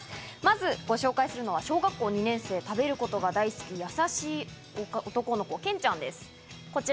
まずご紹介するのは小学校２年生、食べることが大好きな、やさしい男の子、けんちゃんです、こちら。